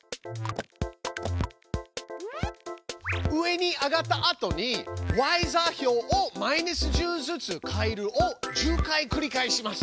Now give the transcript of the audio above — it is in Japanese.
上に上がったあとに「ｙ座標をマイナス１０ずつ変える」を１０回繰り返します。